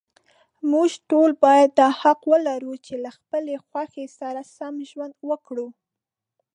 موږ ټول باید دا حق ولرو، چې له خپلې خوښې سره سم ژوند وکړو.